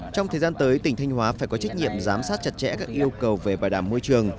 trong thời gian tới tỉnh thanh hóa phải có trách nhiệm giám sát chặt chẽ các yêu cầu về bảo đảm môi trường